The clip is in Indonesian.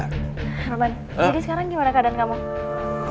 roman jadi sekarang gimana keadaan kamu